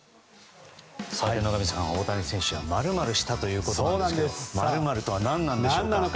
野上さん、大谷選手が○○したということですが○○とは何でしょう。